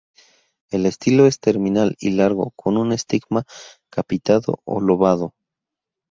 El estilo es terminal y largo, con un estigma capitado o lobado.